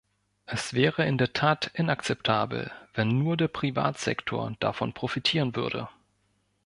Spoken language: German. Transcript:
Es wäre in der Tat inakzeptabel, wenn nur der Privatsektor davon profitieren würde.